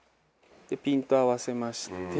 ピント合わせまして。